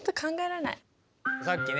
さっきね